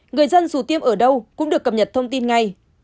người dân dù tiêm ở đâu cũng được cập nhật thông tin ngay